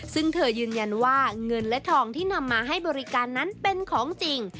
ซึ่งเธอยืนยันว่าเงินและทองที่นำมาให้บริการนั้นเป็นของจริง